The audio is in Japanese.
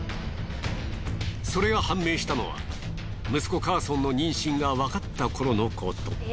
それが判明したのは息子カーソンの妊娠がわかった頃のこと。